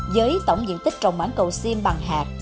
với tổng diện tích trồng mãng cầu xiêm bằng hạt